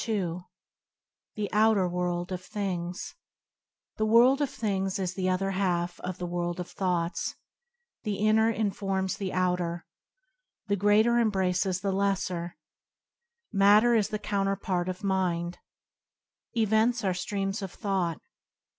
Cfce ©titer mo rio of Cfcinp THE world of things is the other half of the world of thoughts. The inner in forms the outer. The greater embraces the lesser. Matter is the counterpart of mind. Events are streams of thought.